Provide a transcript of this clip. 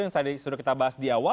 yang tadi sudah kita bahas di awal